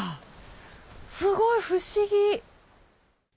すごい不思議。